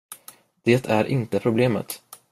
Det är inte problemet.